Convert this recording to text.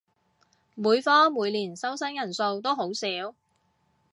每科每年收生人數都好少